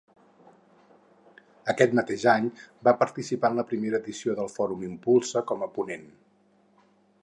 Aquest mateix any va participar en la primera edició del Fòrum Impulsa com a ponent.